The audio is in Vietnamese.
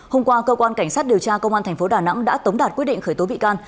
hôm qua cơ quan cảnh sát điều tra công an tp đà nẵng đã tống đạt quyết định khởi tố bị can